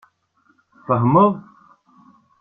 Tfehmeḍ?